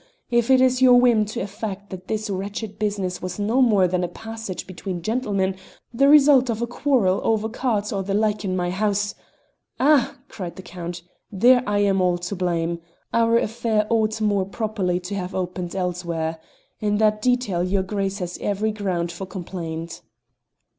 If it is your whim to affect that this wretched business was no more than a passage between gentlemen, the result of a quarrel over cards or the like in my house " "Ah!" cried the Count, "there I am all to blame. Our affair ought more properly to have opened elsewhere. In that detail your Grace has every ground for complaint."